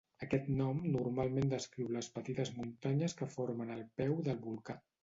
Aquest nom normalment descriu les petites muntanyes que formen el peu del volcà.